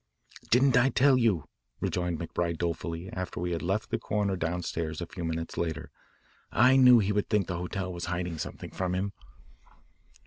"Didn't I tell you?" rejoined McBride dolefully after we had left the coroner downstairs a few minutes later. "I knew he would think the hotel was hiding something from him."